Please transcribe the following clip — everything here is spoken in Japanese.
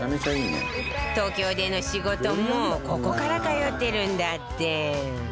東京での仕事もここから通ってるんだって